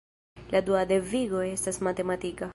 La dua devigo estas matematika.